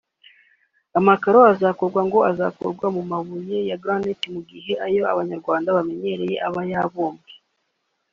Amakaro azakorwa ngo azakorwa mu mabuye ya granite mu gihe ayo Abanyarwanda bamenyereye aba yabumbwe